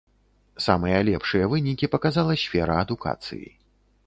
Самыя лепшыя вынікі паказала сфера адукацыі.